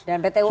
dan pt un